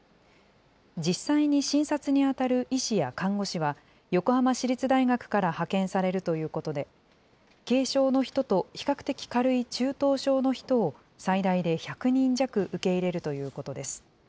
実際に診察に当たる医師や看護師は、横浜市立大学から派遣されるということで、軽症の人と比較的軽い中等症の人を、最大で１００人弱受け入れるということです。